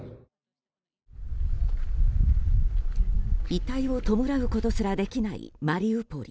遺体を弔うことすらできないマリウポリ。